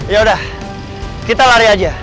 ya udah kita lari aja